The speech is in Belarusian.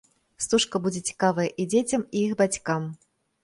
Стужка будзе цікавая і дзецям, і іх бацькам.